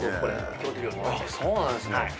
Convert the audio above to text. そうなんですね。